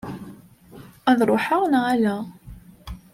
Ad iruḥ neɣ ala?